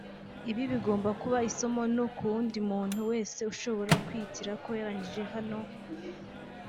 Ibi bigomba kuba isomo no ku wundi muntu wese ushobora kwiyitirira ko yarangije hano